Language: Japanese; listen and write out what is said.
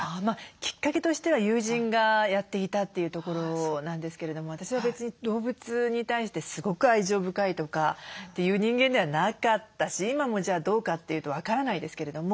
きっかけとしては友人がやっていたというところなんですけれども私は別に動物に対してすごく愛情深いとかっていう人間ではなかったし今もじゃあどうかっていうと分からないですけれども。